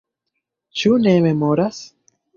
Ĉu ne memoras?